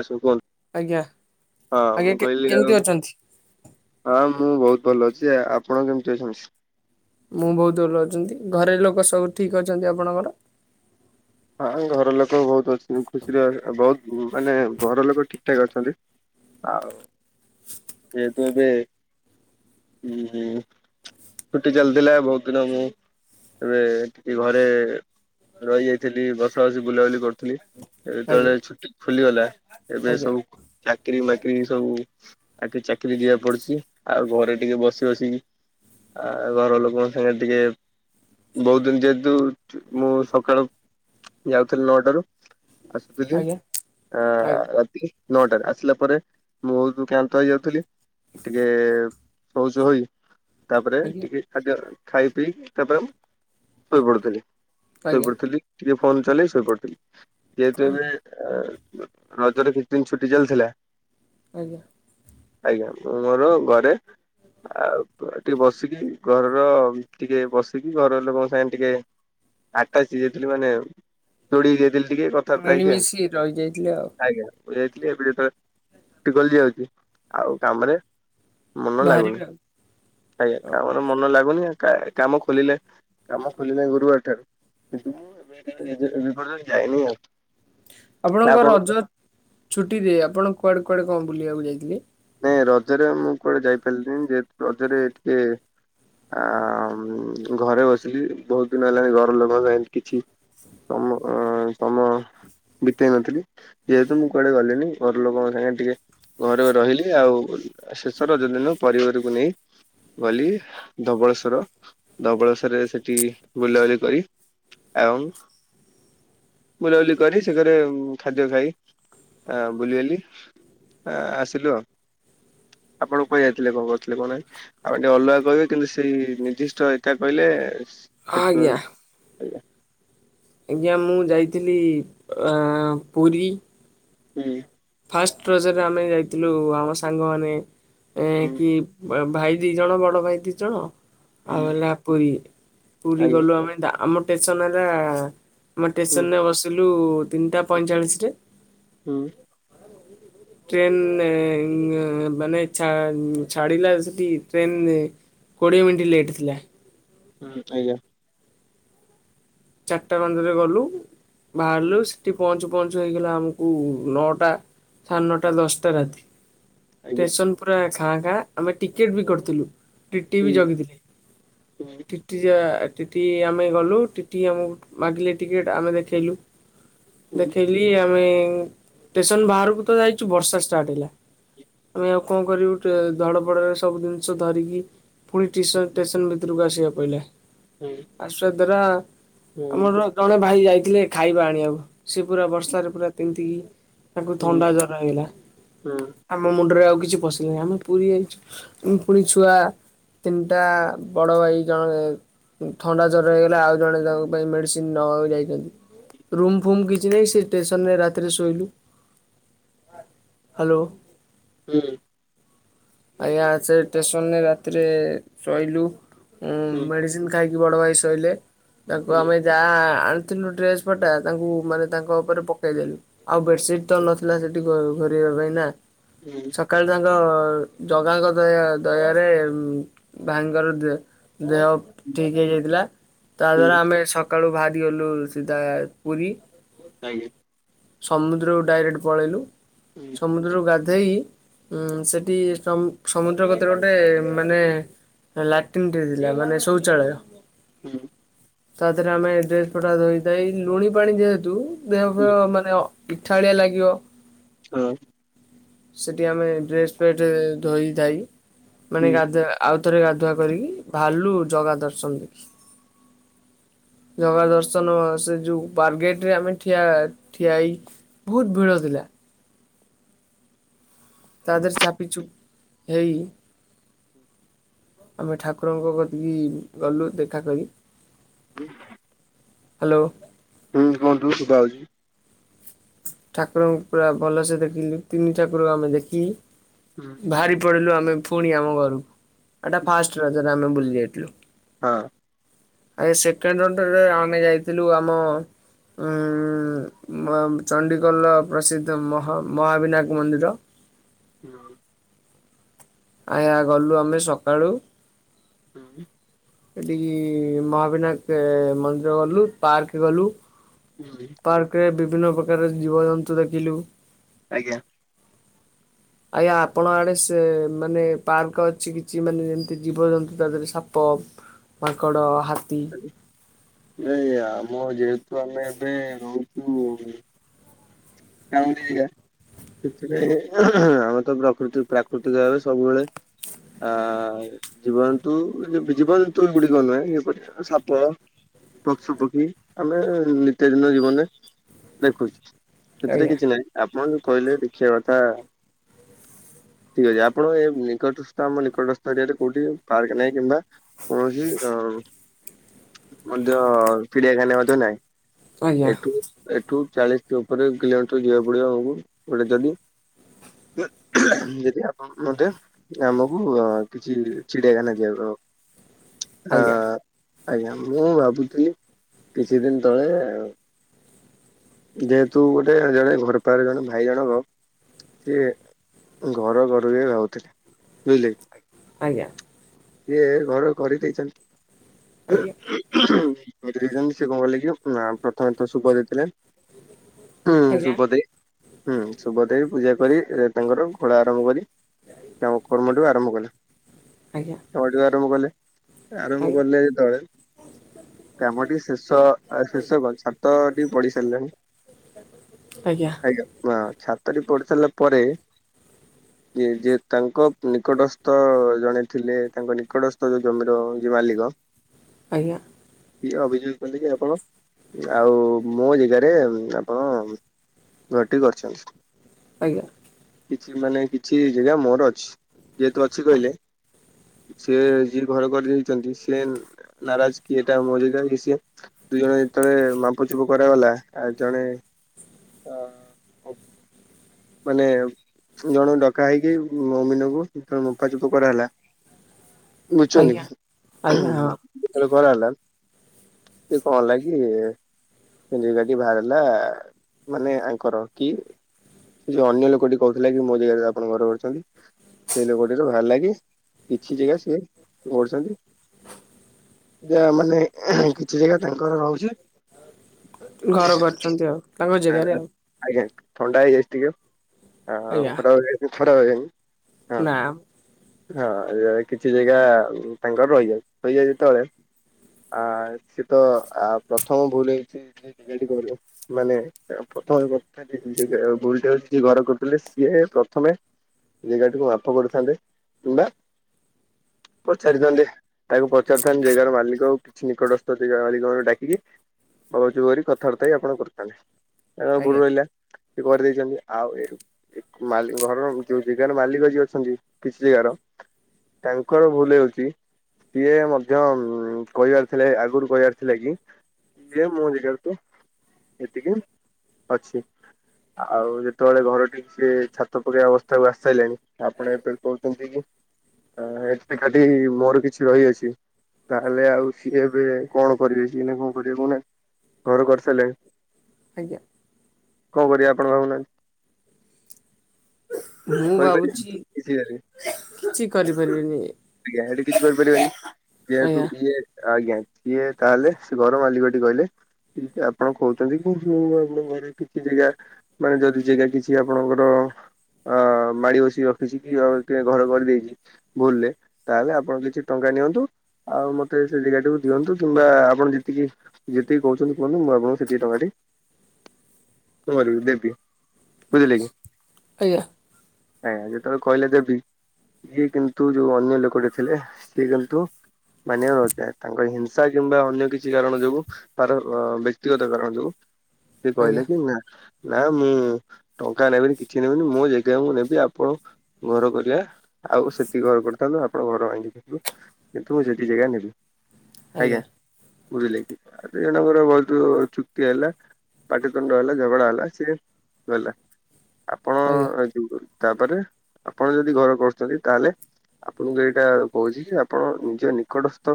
ଆଉ ସବୁ ଭଲ। ଆଜ୍ଞା ହଁ ଆଜ୍ଞା ମୁଁ କେ କହିଲି କେମିତି ଆଉ ଅଛନ୍ତି? ହଁ ମୁଁ ବହୁତ ଭଲ ଅଛି। ସେଇଆ ଆପଣ କେମିତି ଅଛନ୍ତି? ମୁଁ ବହୁତ ଭଲ ଅଛନ୍ତି ଘର ଲୋକ ସବୁ ଠିକ ଅଛନ୍ତି ଆପଣଙ୍କର। ହଁ ଘର ଲୋକ ବହୁତ ଅଛନ୍ତି ଖୁସିରେ ବହୁତ ମାନେ ଘର ଲୋକ ଠିକ ଠାକ ଅଛନ୍ତି ଆଉ ।ଯେହେତୁ ଏବେ ଉଁ ଛୁଟି ଚାଲିଥିଲା ବହୁତ ଦିନ ମୁଁ ଏବେ ଟିକେ ଘରେ ରହିଯାଇ ଥିଲି ବସା ବସି ବୁଲାବୁଲି କରୁଥିଲି। ଏବେ ଆଜ୍ଞା ଯେତେବେଳେ ଛୁଟି ଖୋଲିଗଲା ଏବେ ଆଜ୍ଞା ସବୁ ଚାକିରି ଚାକିର ସବୁ ଆଉ ଚାକିରି ଯିବାକୁ ପଡୁଛି ଆଉ ଘରେ ଟିକେ ବସି ବସି ଆ ଘର ଲୋକଙ୍କ ସାଙ୍ଗେ ଟିକେ ବହୁତ ଦିନ ଯେହେତୁ ମୁଁ ସକାଳୁ ଯାଉଥିଲି ନଅଟାରୁ ଆସୁଥିଲି ଆଜ୍ଞା ଆ ଆଜ୍ଞା ରାତି ନଅଟାରେ ଆସିଲା ପରେ ମୁଁ ବହୁତ କ୍ଳାନ୍ତ ହୋଇ ଯାଉଥିଲି ଟିକେ ଶୋଉ ଶୋଇ ତାପରେ ଆଜ୍ଞା ଟିକେ ଖାଦ୍ୟ ଖାଇ ପିଇକି ତାପରେ ମୁଁ ଶୋଇ ପଡୁଥିଲି। ଆଜ୍ଞା ଶୋଇ ଆଜ୍ଞା। ପଡଥିଲି। ଟିକେ ଫୋନ ଚାଲେଇକି ଶୋଇପଡ଼ିଥିଲି। ଯେହେତୁ ଏବେ ରଜରେ କିଛି ଦିନ ଛୁଟି ଚାଲିଥିଲା । ଆଜ୍ଞା। ଆଜ୍ଞା ମୋର ଘରେ ଆଉ ଟିକେ ବସିକି ଘରର ଟିକେ ବସିକି ଘର ଲୋକଙ୍କ ସାଙ୍ଗେ ଟିକେ ଆଟାଚ ହୋଇଯାଇଥିଲା। ଯାଇଥିଲି ମାନେ ଯୋଡିି ହୋଇଯାଇଥିଲି। ମିଳିମିଶି ରହିଯାଇଥିଲେ ଆଉ। ଆଜ୍ଞା ମୁଁ ଯାଇଥିଲି ଏବେ ଯେତେବେଳେ ଛୁଟି କଲି ଯାଉଛି ଆଉ କାମରେ ମନ ଲାଗୁନି ବାହାରିବେ ଆଉ ଆଜ୍ଞା ହଉ କାମରେ ମନ ଲାଗୁନି ଆଉ। କାମ ଖୋଲିଲେ- କାମ ଖୋଲିଲେ ଗୁରୁବାର ଠାରୁ କିନ୍ତୁ ବିପର୍ଯ୍ୟ ଯାଇନି ଆଉ [unintelligible] ଆପଣଙ୍କ ଆପଣ ରଜ ଛୁଟିରେ ଆପଣ କୁଆଡେ କୁଆଡେ କଣ ବୁଲିବାକୁ ଯାଇଥିଲେ। ନାଇଁ ରଜରେ ମୁଁ କୁଆଡ଼େ ଯାଇପାରିଲିନି ଯେହେତୁ ରଜରେ ଟିକେ ଘରେ ବସିିଲି ବହୁତ ଦିନ ହେଲାଣି ଘର ଲୋକଙ୍କ ସାଙ୍ଗ କିଛି ସମ ସମୟ ବିତେଇ ନଥିଲି ଯେହେତୁ ମୁଁ କୁଆଡ଼େ ଗଲିଣିି ଘର ଲୋକଙ୍କ ସାଙ୍ଗେ ଟିକେ ଘରେ ରହିଲି। ଆଉ ଶେଷ ରଜ ଦିନ ପରିବାରକୁ ନେଇ ଗଲି ଧବଳେଶ୍ୱର। ଧବଳେଶ୍ୱରରେ ସେଠି ବୁଲାବୁଲି କରି ଏବଂ ବୁଲାବୁଲି କରି ସେ ଘରେ ଖାଦ୍ୟ ଖାଇ ଆ ବୁଲିିବାଲି ଆସିଲୁ ଆଉ। ଆପଣ କୁଆଡେଯାଇଥିଲେ କଣ କରଥିଲେ କହୁନାହାନ୍ତି ଆଉ ଟିକେ ଅଲଗା କହିବେ କିନ୍ତୁ ସେଇ ନିର୍ଦିଷ୍ଟ ଏକା କହିଲେ ଆଜ୍ଞା। ଆଜ୍ଞା ମୁଁ ଯାଇଥିଲି ଆଁ ପୁରୀ। ହୁଁ। ଫାଷ୍ଟ ରଜରରେ ଆମେ ଯାଇଥିଲୁ ଆମ ସାଙ୍ଗମାନେ। ଏ ହୁଁ କି। ଭାଇ ଦି ଜଣ ବଡ ଭାଇ ଦି ଜଣ ଆଉ ହୁଁ ହେଲା ପୁରୀ। ପୁରୀ ଆଜ୍ଞା ଗଲୁ ଆମେ ଆମର ଟେଶନ ହେଲା। ଆମ ହୁଁ ଷ୍ଟେସନରେ ବସିଲୁ ତିନିଟା ପଇଁଚାଳିଶରେ। ହୁଁ ଟ୍ରେନେ ମାନେ ଛା ଛାଡିଲା ସେଠି ଟ୍ରେନେ କୋଡିଏ ମିନିଟ ଲେଟ୍ ଥିଲା। ହୁଁ ଆଜ୍ଞା। ଚାରିଟା ପନ୍ଦର ରେ ଗଲୁ ହୁଁ ବାହାରିଲୁ ସେଠି ପହଞ୍ଚୁ ପହଞ୍ଚୁ ହେଇଗଲା ଆମକୁ ନଅଟା ସାଢେ ନଅଟା ଦଶଟା ରାତି। ଆଜ୍ଞା ଟେସନ ପୁରା। ଖାଁ କାଁ ଆମେ ଟିକେଟ୍ ବି କରିଥିଲୁ। ଟିଟି ବି ହୁଁ ଜଗିଥିଲେ ହୁଁ ଟି ଟି ଆ। ଟି ଟି ଆମେ ଗଲୁ ଟି। ଟି ଟି ଆମକୁ ମାଗିଲେ ଟିକେଟ ଆମେ ଦେଖେଇଲୁ। ଦେଖେଇଲିି ଆମେ। ଉଁ ଷ୍ଟେସନ ବାହାରକୁ ତ ଯାଇଛୁ ବର୍ଷା ଷ୍ଟାର୍ଟ ହେଲା ଆମେ ଆଉ କଣ କରିବୁ ଧଡପଡରେ ସବୁ ଜିନିଷ ଧରିକି। ପୁଣି ଟେସନ ଷ୍ଟେସନ ଭିତରୁକୁ ଆସିବା ପଇଲା। ହୁଁ ଆସୁ ଆରା। ହୁଁ ଆମର ଜଣ ଜଣେ ଭାଇ ଯାଇ ଥିଲେ ଖାଇବା ଆଣିବାକୁ ସେ ପୁରା ବର୍ଷାରେ ପୁରା ତିନ୍ତିକି। ତାକୁ ହୁଁ ହୁଁ ଥଣ୍ଡା ଜର ହେଇଗଲା ଆମ ମୁଣ୍ଡରେ ଆଉ। କିଛି ପଶିଲା ନାହିଁ ଆମେ ପୁରୀ ଯାଇଛୁ ପୁଣି ଛୁଆ ତିନଟା ବଡ଼ ଭାଇ ଜଣେ ଥଣ୍ଡା ଜ୍ୱରରେ ହେଇଗଲା ଆଉ ଜଣେ ତା ପାଇଁ ମେଡ଼ିସିନ ନବାକୁ ଯାଇଛନ୍ତି ରୁମ ଫୁମ କିଛି ନାହିଁ ସେ ଷ୍ଟେସନରେ ରାତିରେ ଶୋଇଲୁ ହାଲୋ। ହୁଁ। ଆଜ୍ଞା ସେ ଷ୍ଟସନରେ ରାତିରେ ଶୋଇଲୁ। ଉ ମେଡିସିନ୍ ଖାଇ କି ବଡ଼ ଭାଇ ଶୋଇଲେ। ତାକୁ ହୁଁ ହୁଁ ହୁଁ ଆମେ ଯା ଆ ଥିଲୁ ଡ୍ରେସ ପଟା ତାଙ୍କୁ ମାନେ ତାଙ୍କ ଉପରେ ପକେଇଦେଲୁ। ଆଉ ବେଡ଼ସିଟ୍ ତ ନଥିଲା ସେଠି କର ଘରିବା ପାଇଁ ନା। ହୁଁ ସକାଳୁ ତାଙ୍କ ର। ଜଗାଙ୍କ ଦୟା ଦୟାରେ ଉମ ଭାଙ୍ଗର ଦେ ଦେହ ଠିକ ହେଇଯାଇଥିଲା ତା ହୁଁ ଦ୍ଵାରା ଆମେ ସ ସକାଳୁ ବାହାରି ଗଲୁ ସିଧା ପୁରୀ। ଆଜ୍ଞା। ସମୁଦ୍ରକୁ ଡାଇରେକ୍ଟ ପଳେଇଲୁ। ହୁଁ ସମୁଦ୍ରରୁ ଗା ଦେଇ ସେଠି ସମ ସମୁଦ୍ର କତରେ ଗୋଟେ ମାନେ ଲାଟିନ୍ ଥିଲା ମାନେ ଶୌଚାଳୟ ହୁଁ ତାଥହରେ ଆମେ ଡ୍ରେସ ପଟା ଧଥା ଲୁଣି ପାଣି ଯେହେତୁ ଦେହ ଫେଅ ମାନେ ଅ ପିଠାଲିଆ ଲାଗିବ ହଁ ସେଠି ଆମେ ଡ୍ରେସ ପେଟ ଧୋଇ ଧାଇ ହୁଁ ମାନେ ଗାଧାଆ ଆ ଭିତରେ ଗାଧୁଆ କରିକି ବାହାରିଲୁ ଜଗା ଦର୍ଶନ ଦେଖି ଜଗା ଦର୍ଶନ ସେ ଯୋଉ ବାର୍ଗେଟରେ ଆମେ ଠିଆ ଠିଆ ହେଇ ବହୁତ ଭିଡ ଥିଲା ତା ଦେହ ଚାପିଚୁପ ହେ ଆମେ ଠାକୁରଙ୍କ କତିକି ଗଲୁ ଦେଖା କରି ହ ହ୍ୟାଲୋ ହୁଁ କୁହନ୍ତୁ ସୁଭାଯାଉଚି ଠାକୁରଙ୍କୁ ପୁରା ଭଲସେ ଦେଖିଲୁ ତିନି ଠାକୁରଙ୍କୁ ଆମେ ଦେଖି ହୁଁ ଭାରି ପଡିଲୁ ଆମେ ପୁଣି ଆମ ଘରକୁ ଏଟା ଫାଷ୍ଟ ରଜରେ ଆମେ ବୁଲି ଲ ହଁ ଆ ସେକେଣ୍ଡ ଆମେ ଯାଇଥିଲୁ ଆମ ଉ ଚଣ୍ଡିକୋଲ ପ୍ରସିଦ୍ଧ ମହା ମହାବିନାୟକ ମନ୍ଦିର ହଁ। ଆଜ୍ଞା ଗଲୁ ଆମେ ସକାଳୁ ହୁଁ। ଏଠିକି ମହାବିନାୟକ ମନ୍ଦିର ଗଲୁ ପାର୍କ ଗଲୁ। ହୁଁ ପାର୍କ ରେ ବି ବିଭିନ୍ନ ପ୍ରକାର ଜୀବଜନ୍ତୁ ଦେଖିଲୁ। ଆଜ୍ଞା। ଆଜ୍ଞା ଆପଣଙ୍କ ଆଡେ ସେ ମାନେ ପାର୍କ ଅଛି, କିଛି ମାନେ ଯେମିତି ଜୀବଜନ୍ତୁ ତା ଦେହରେ ସାପ ମାଙ୍କଡ ହାତ ନାଇଁ। ଆମ ଯେହେତୁ ଆମେ ଏବେ ରହୁଛୁ। କଡି ସେଥିରେ ଆମେ ତ ପ୍ରକୃତି ପ୍ରାକୃତିକ ଭାବେ ସବୁବେଳେ ଆ ଜୀବନ୍ତୁ ଜୀବନ୍ତୁ ଗୁଡିକ ନୁହେଁ ଯେପରି ସାପ ପକ୍ଷୁପକ୍ଷୀ ଆମେ ନିତ୍ୟଦିନ ଜୀବନରେ ଦେଖୁଛୁ। ସେଥିରେ ଆଜ୍ଞା କିଛି ନାହିଁ ଆପଣ। କହିଲେ ଦେଖିବା କଥା ଠିକ ଅଛି, ଆପଣ ଏ ନିକଟସ୍ଥ ଆମ ନିକଟସ୍ଥ ଏରିଆରେ କୋଉଠି ପାର୍କ ନାହିଁ କିମ୍ବା କୌଣସି ଆ ମଧ୍ୟ ଚିଡିଆଖାନା ମଧ୍ୟ ନାଇଁ। ଆଜ୍ଞା ଏଠୁ। ତୁ ଚାଳିଶ ଦ ଗୋଟେ କିଲୋମିଟର ଯିବାକୁ ପଡିବ ଆମକୁ। ଗୋଟେ ଯଦି ଯଦି ମତେ ଆମକୁ କିଛି ଚିଡିଆଖାନା ଯିବାକୁ ହବ। ଆଜ୍ଞା ହଁ। ଆଜ୍ଞା ମୁଁ ଭାବୁଛି କିଛି ଦିନ ତଳେ ଯେ ତୁ ଗୋଟେ ଜଣେ ଘର ପାଖାର ଜଣେ ଭାଇ ଜଣକ ସିଏ ଘର ଘରୁ ବି ଭାବଥିଲେ ବୁଝିଲେ କି। ଆଜ୍ଞା। ସିଏ ଘର କରି ଦେଇଛନ୍ତି। ଆଜ୍ଞା। ଛନ୍ତି ସେ କଣ ହେଲାକି ପ୍ରଥମେ ତ ସୁଖ ଦେଇଥିଲେ। ହୁଁ ଆଜ୍ଞା ଆଜ୍ଞା ସପଦେ ହୁଁ ଶୁଭ ଦେଇ, ପୂଜା କରି ତାଙ୍କର ଘୋଳା ଆରମ୍ଭ କରି କର୍ମ ଟାକୁ ଆରମ୍ଭ କଲେ ଆଜ୍ଞା କାମ ଟାକୁ ଆରମ୍ଭ କଲେ। ଆରମ୍ଭ ଆଜ୍ଞା। କଲେ ତଳେ କାମ ଟିକେ ଶେଷ ଶେଷ କ ଛାତ ଟିକେ ପଢି ସାରିଲାଣି। ଆଜ୍ଞା ବା। ଛାତରେ ପଢି ସାରିଲା ପରେ ଯେ ତାଙ୍କ ନିକଟସ୍ଥ ଜଣେ ଥିଲେ ତାଙ୍କ ନିକଟସ୍ଥ ଯୋଉ ଜମିର ଯିଏ ମାଲିକ ଆଜ୍ଞା। ଅଭିଯୋଗ କଲେକି ଆପଣ ଆଉ ମୋ ଜାଗାରେ ହଁ ଘରଟି କରିଛନ୍ତି। ଆଜ୍ଞା। କିଛି ମାନେ କିଛି ଜାଗା ମୋର ଅଛି। ଯେହେତୁ ଅଛି କହିଲେ ସିଏ ଯିଏ ଘର କରି ଯାଇଛନ୍ତି ସେ ନାରାଜ କି ଏଟା ମୋରି ଜାଗା କି ସିଏ ଦୁଇ ଜଣ ଯେତେବେଳେ ମାପଚୁପ କରାଗଲା ଆଉ ଜଣେ ମାନେ ଜଣକୁ ଡକା ହେଇକି ଅମିନକୁ ମପା ଚୁପ କରାହେଲା ଗୁଝୁଚନ୍ତି ଆଜ୍ଞା ଆଜ୍ଞା ହଁ [inaudible] କଣ ହେଲା କି ସେ ଜାଗାଟି ବାହାରିଲା ମାନେ ଆଙ୍କର କି ସେ ଯୋଉ ଅନ୍ୟ ଲୋକଟି କହୁଥିଲା କି ମୋ ଜାଗାରେ ଆପଣ ଘର କରଛନ୍ତି। ସେ ଲୋକଟିର ବାହାର ଲାକି କିଛି ଜାଗା ସିଏ କରୁଛନ୍ତି। ମାନେ କିଛି ଜାଗା ତାଙ୍କର ରହୁଛି। ଘର କରିଛନ୍ତି ଆଉ। ତାଙ୍କ ଜେଗାରେ ଆଉ। ଆଜ୍ଞା ଥଣ୍ଡା ହେଇଯାଇଚି ଟିକେ। ଆଉ ଆଜ୍ଞା ଖରାବେଳେ ଯାଇଥିଖଟ [unintelligible] ନା। ହଁ କିଛି ଜାଗା ତାଙ୍କର ରହିଯାଇଛି ରହିଯାଏ ଯେତେବେଳେ ଆ ସିଏତ ପ୍ରଥମ ଭୁଲ ହେଇଛି। ମାନେ ପ୍ରଥମ ଭୁଲଟା ହଉଛି ଯିଏ ଘର କରୁଥିଲେ ସିଏ ପ୍ରଥମେ ଜାଗାଟିକୁ ମାପ କରିଥାନ୍ତେ କିମ୍ବା ପଚାରିଥାନ୍ତେ। ତାକୁ ପଚାରିଥାନ୍ତି ଜାଗାର ମାଲିକ ଆଉ କିଛି ନିକଟସ୍ଥ ଜାଗା ମାଲିକ ମାନେ ଡାକିକି ବଗଚ କରି [unintelligible] କଥାବାର୍ତ୍ତା ହେଇ ଆପଣ କରୁ ତାହାଲେ ଏ ଭୁଲ୍ ଆଜ୍ଞା ରଇଲା। ସେ କରିଦେଇଛନ୍ତି ଆଉ ଘରର ଯୋଉ ଜାଗାର ମାଲିକ ଯିଏ ଅଛନ୍ତି କିଛି ଜାଗାର ତାଙ୍କର ଭୁଲ ହଉଛି ସିଏ ମଧ୍ୟ କହିବାର ଥିଲେ ଆଗରୁ କହିବାର ଥିଲା କି ଇଏ ମୋ ଜାଗା ତୁ। ଏତିକି ଅଛି । ଆଉ ଯେତେବେଳେ ଘର ଟିକ ସିଏ ଛାତ ପକେଇବା ଅବସ୍ଥାକୁ ଆସି ଆସିସାରିଲାଣି ଆପଣ ଏବେ କହୁଛନ୍ତି କି ଏ ଏକାଠି ମୋର କିଛି ରହିଅଛି, ତାହେଲେ ଆଉ ସିଏ ଏବେ କଣ କରିବେ ସିଏ ନା କଣ କରିବେ କୋଉନାହାନ୍ତି ଘର କରିସାରିଲେଣି? ଆଜ୍ଞା। କଣ କରିବା ଆପଣ ଭାବୁନାହାନ୍ତି? ମୁଁ ଭାବୁଛି କରିପାରିବେନି କିଛି କିଛି କରିପାରିବିନି। ଆଜ୍ଞା ସେଠି କିଛି କରିପାରିବନି ଯେହେତୁ ଆଜ୍ଞା ଇଏ ଆଜ୍ଞା। ସିଏ ତାହେଲେ ସେ ଘର ମାଲିକଟି କହିଲେ ଆପଣ କହୁଛନ୍ତି ଆପ ଘରେ କିଛି ଜାଗା ମାନେ ଯଦି ଜାଗା କିଛି ଆପଣଙ୍କର ଅ ମାଡି ବସିିକି ରଖିଛି କି ଘର କରିଦେଇଛି ଭୁଲରେ। ତାହେଲେ ଆପଣ କିଛି ଟଙ୍କା ନିଅନ୍ତୁ ଆଉ ମତେ ସେ ଜାଗାଟିକୁ ଦିଅନ୍ତୁ କିମ୍ବା ଆପଣ ଯେତିକି ଯେତିକି କହୁଛନ୍ତି କୁହନ୍ତୁ ମୁଁ ଆପଣଙ୍କୁ ସେତିକି ଟଙ୍କାଟି କଣ କରିବି ଦେବି ବୁଝିଲେ କି? ଆଜ୍ଞା। ଆଜ୍ଞା ଯେତେବେଳେ କହିଲେ ଦେବି ଇଏ କିନ୍ତୁ ଯୋଉ ଅନ୍ୟ ଲୋକଟେ ଥିଲେ ସିଏ କିନ୍ତୁ ମାନିବା ନଥାଏ ତାଙ୍କର ହିଂସା କିମ୍ବା ଅନ୍ୟ କିଛି କାରଣ ଯୋଗୁ ତାର ବ୍ୟକ୍ତିଗତ କାରଣ ଯୋଗୁ। ସେ କହିଲେ ଆଜ୍ଞା କି ନା। ନା ମୁଁ ଟଙ୍କା ନେବିନି କିଛି ନେବିନି ମୋ ଜାଗା ମୁ ନେବି ଆପଣ ଘର କରିବା, ଆଉ ସେ। ଏତି ଘର କରିଥାନ୍ତୁ ଆପଣ ଘର ଆଣିିଥାନ୍ତୁ କିନ୍ତୁ ମୁଁ ସେତିି ଜାଗା ନେବି। ଆଜ୍ଞା। ବୁଝିଲେ, କି ଆ ଜଣଙ୍କର ବହୁତ ଚୁକ୍ତି ହେଲା ପାଟିତୁଣ୍ଡ ହେଲା ଝଗଡା ହେଲା ସିଏ ଗଲା। ଆଜ୍ଞା ଆପଣ ଯୋଉ ତାପରେ ଆପଣ ଯଦି ଘର କରୁଛନ୍ତି ତାହେଲେ। ଆପଣଙ୍କୁ ଏଇଟା କହୁଛି ଯେ ଆପଣ ନିଜ ନିକଟସ୍ଥ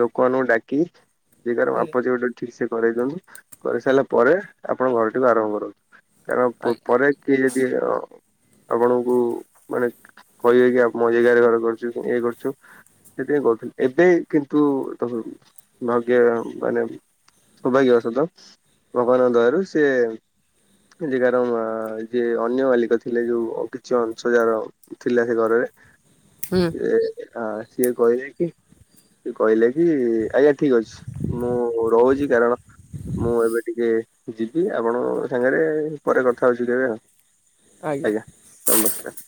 ଲୋକମାନଙ୍କୁ ଡାକି। [unintelligible] ବାମ୍ଫ ଆଜ୍ଞା ଯେମିତି ଜିବ ଠିକ୍ ସେ କରଇ ଦିଅନ୍ତୁ, କରି ସାରିଲା ପରେ ଆପଣ ଘରଟିକୁ ଆରମ୍ଭ କରନ୍ତୁ। କାରଣ ପରେ କି ଯଦି ଆପଣଙ୍କୁ ମାନେ। [unintelligible] ମୋ ଜାଗାରେ ଘର କରୁଛୁ ଇଏ କରୁଛୁ, ସେଥିପାଇଁ କରୁଥିଲି ଏବେ କିନ୍ତୁ ଭାଗ୍ୟ ମାନେ ସୌଭାଗ୍ୟ ବଶତଃ ଭଗବାନଙ୍କ ଦୟାରୁ ସେ ଜାଗାର ଯିଏ ଅନ୍ୟ ମାଲିକ ଥିଲେ ଯୋଉ କିଛି ଅଂଶଜାର ଥିଲା ସେ ଘରରେ ହୁଁ [unintelligible] ସିଏ କହିଲେ କି ସେ କହିଲେ କି ଆଜ୍ଞା ଠିକ ଅଛି, ମୁଁ ରହୁଛି କାରଣ ମୁଁ ଏବେ ଟିକେ ଯିବି ଆପଣଙ୍କ ସାଙ୍ଗରେ ପରେ କଥା ହେଉଛି ତେବେ ଆଉ। ଆଜ୍ଞା ନମସ୍କାର।